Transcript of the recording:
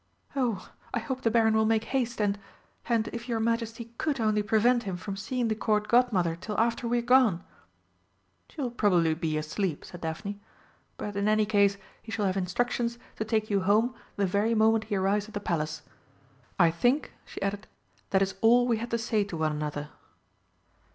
"Oh, I hope the Baron will make haste and and if your Majesty could only prevent him from seeing the Court Godmother till after we are gone!" "She will probably be asleep," said Daphne, "but in any case he shall have instructions to take you home the very moment he arrives at the Palace. I think," she added, "that is all we had to say to one another."